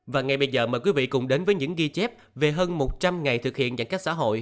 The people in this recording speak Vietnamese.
và ngay bây giờ mời quý vị cùng đến với những ghi chép về hơn một trăm linh ngày thực hiện giãn cách xã hội